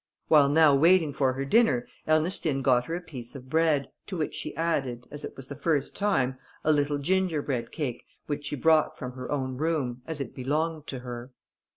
While now waiting for her dinner, Ernestine got her a piece of bread, to which she added, as it was the first time, a little gingerbread cake which she brought from her own room, as it belonged to her.